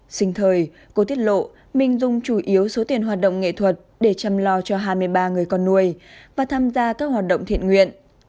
sinh thời cô tiết lộ mình dùng chủ yếu số tiền hoạt động nghệ thuật để chăm lo cho hai mươi ba người con nuôi và tham gia các hoạt động thiện nguyện